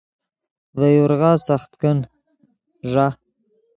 ڤے یورغا سخت کن ݱا